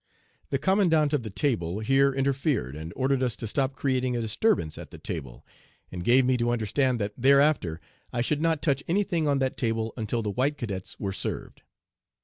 The commandant of the table here interfered and ordered us to stop creating a disturbance at the table, and gave me to understand that thereafter I should not touch any thing on that table until the white cadets were served.